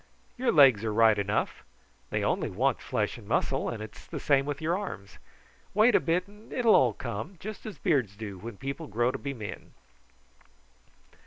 "Your legs are right enough. They only want flesh and muscle, and it's the same with your arms. Wait a bit and it will all come, just as beards do when people grow to be men."